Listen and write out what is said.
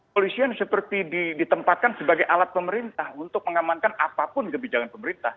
polisian seperti ditempatkan sebagai alat pemerintah untuk mengamankan apapun kebijakan pemerintah